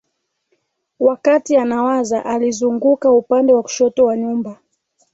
Wakati anawaza alizunguka upande wa kushoto wa nyumba